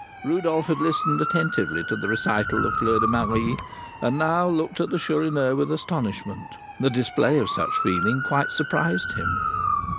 Rodolph had listened attentively to the recital of Fleur de Marie, and now looked at the Chourineur with astonishment: the display of such feeling quite surprised him.